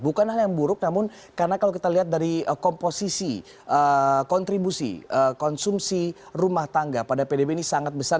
bukan hal yang buruk namun karena kalau kita lihat dari komposisi kontribusi konsumsi rumah tangga pada pdb ini sangat besar